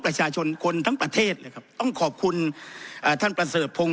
ประชาชนคนทั้งประเทศเลยครับต้องขอบคุณอ่าท่านประเสริฐพงศ